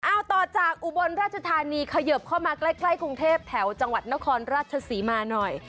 เอาต่อจากอุบลราชธานีเขยิบเข้ามาใกล้กรุงเทพแถวจังหวัดนครราชศรีมาหน่อย